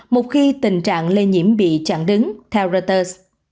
một khi tình trạng lây nhiễm bị chặn đứng theo reuters